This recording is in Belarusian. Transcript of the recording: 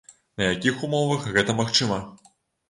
На якіх умовах гэта магчыма?